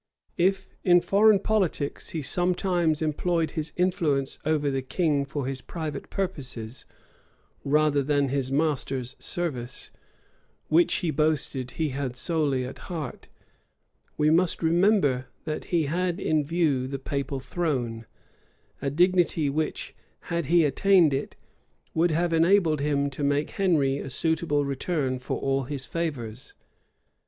If, in foreign politics, he sometimes employed his influence over the king for his private purposes, rather than his master's service, which, he boasted, he had solely at heart, we must remember, that he had in view the papal throne; a dignity which, had he attained it, would have enabled him to make Henry a suitable return for all his favors.